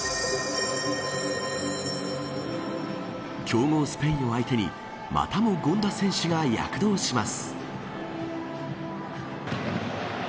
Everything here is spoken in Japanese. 強豪スペインを相手に、またも権田選手が躍動します。